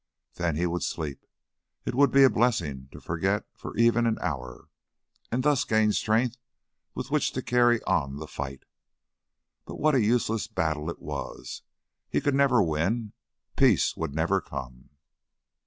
Then he would sleep. It would be a blessing to forget for even an hour, and thus gain strength with which to carry on the fight. But what a useless battle it was! He could never win; peace would never come.